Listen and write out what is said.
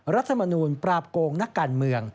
รัฐมนูลปราบโกงนักการเมือง